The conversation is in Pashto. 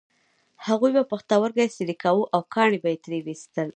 هغوی به پښتورګی څیرې کاوه او کاڼي به یې ترې ویستل.